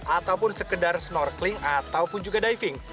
ataupun sekedar snorkeling ataupun juga diving